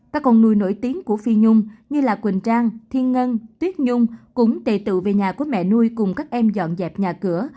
các con nuôi nổi tiếng của phi nhung như quỳnh trang thiên ngân tuyết nhung cũng tề tự về nhà của mẹ nuôi cùng các em dọn dẹp nhà cửa